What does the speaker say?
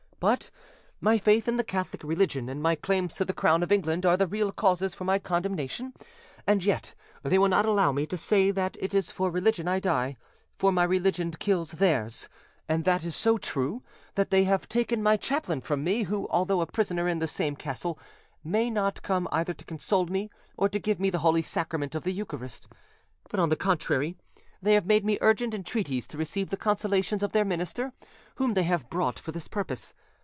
But my faith in the Catholic religion and my claims to the crown of England are the real causes for my condemnation, and yet they will not allow me to say that it is for religion I die, for my religion kills theirs; and that is so true, that they have taken my chaplain from me, who, although a prisoner in the same castle, may not come either to console me, or to give me the holy sacrament of the eucharist; but, on the contrary, they have made me urgent entreaties to receive the consolations of their minister whom they have brought for this purpose.